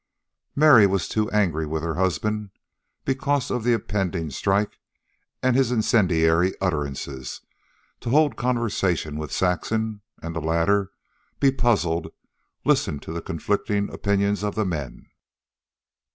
Mary was too angry with her husband, because of the impending strike and his incendiary utterances, to hold conversation with Saxon, and the latter, bepuzzled, listened to the conflicting opinions of the men.